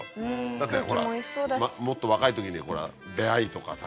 だってほらもっと若いときに出会いとかさ